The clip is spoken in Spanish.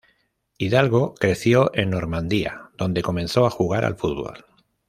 Hidalgo creció en Normandía, donde comenzó a jugar al fútbol.